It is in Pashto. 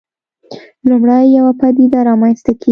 لومړی یوه پدیده رامنځته کېږي.